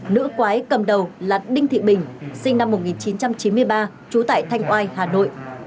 nữ quái cầm đầu là đinh thị bình sinh năm một nghìn chín trăm chín mươi ba trú tại thanh oai hà nội